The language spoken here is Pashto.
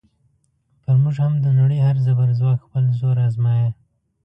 پر موږ هم د نړۍ هر زبرځواک خپل زور ازمایه.